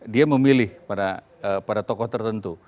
dia memilih pada tokoh tertentu